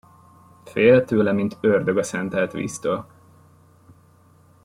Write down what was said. Fél tőle, mint ördög a szenteltvíztől.